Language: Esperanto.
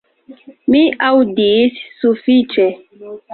Mi aŭdis sufiĉe.